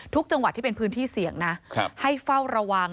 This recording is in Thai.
ทุกจังหวัดที่เป็นพื้นที่เสี่ยงนะให้เฝ้าระวัง